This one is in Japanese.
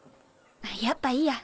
やっぱいいや。